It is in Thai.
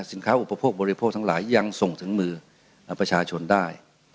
อุปโภคบริโภคทั้งหลายยังส่งถึงมือประชาชนได้